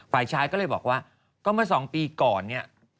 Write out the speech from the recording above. ฝ่ายชายก็เลยบอกว่าก็เมื่อ๒ปีก่อนเนี่ย